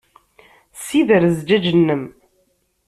Ssider zzjaj-nnem!